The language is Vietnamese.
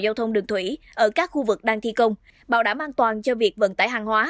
giao thông đường thủy ở các khu vực đang thi công bảo đảm an toàn cho việc vận tải hàng hóa